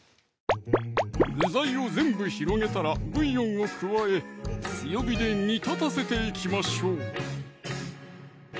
具材を全部広げたらブイヨンを加え強火で煮立たせていきましょう